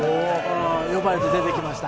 呼ばれて出てきました。